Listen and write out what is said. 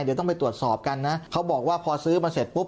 เดี๋ยวต้องไปตรวจสอบกันนะเขาบอกว่าพอซื้อมาเสร็จปุ๊บ